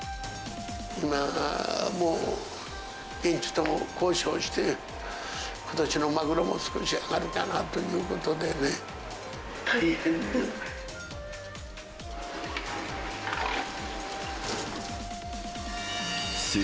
今も現地とも交渉して、ことしのマグロも少し上がるかなということでね、大変です。